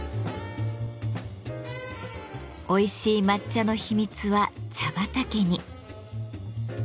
おいしい抹茶の秘密は茶畑に。